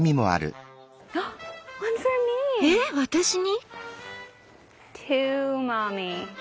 えっ私に？